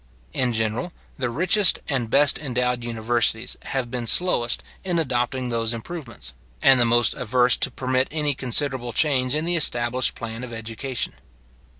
In general, the richest and best endowed universities have been slowest in adopting those improvements, and the most averse to permit any considerable change in the established plan of education.